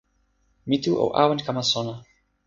mi tu o awen kama sona.